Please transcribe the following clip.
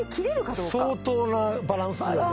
相当なバランスよね。